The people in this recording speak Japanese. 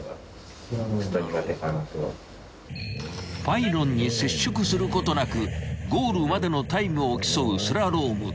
［パイロンに接触することなくゴールまでのタイムを競うスラローム］